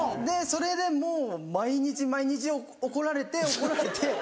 それでもう毎日毎日怒られて怒られて。